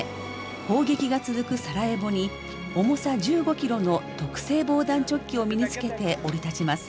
砲撃が続くサラエボに重さ１５キロの特製防弾チョッキを身に着けて降り立ちます。